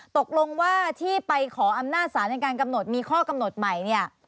ตกลงว่าที่ไปขออำนาจศาลในการกำหนดมีข้อกำหนดใหม่เนี่ย